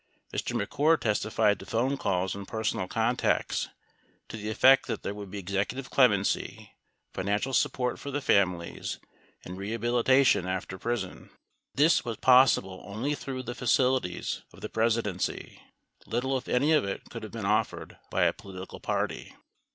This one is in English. Mr. McCord testified to phone calls and personal contacts to the effect that there would be executive clemency, financial support for the families, and rehabilitation after prison. 24 This was possible only through the facilities of the Presidency ; little if any of it could have been offered by a political party.